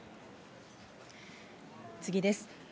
次です。